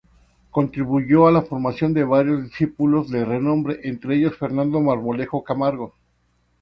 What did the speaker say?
Contribuyó a la formación de varios discípulos de renombre, entre ellos Fernando Marmolejo Camargo.